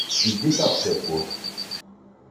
Ldit-aɣ-d tawwurt.